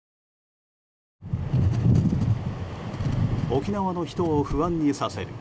沖縄の人を不安にさせる